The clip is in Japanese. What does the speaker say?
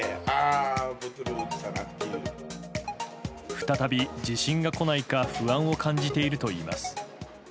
再び地震が来ないか不安を感じているといいます。